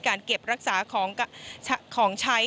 การเก็บรักษาของใช้